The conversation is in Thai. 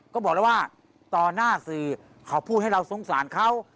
ก็บอกแล้วว่าต่อหน้าสื่อเขาพูดให้เราสงสารเขา